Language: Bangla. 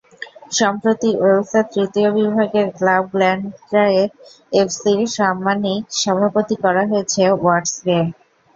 সম্প্রতি ওয়েলসের তৃতীয় বিভাগের ক্লাব গ্ল্যানট্রায়েথ এফসির সাম্মানিক সভাপতি করা হয়েছে ওয়াটসকে।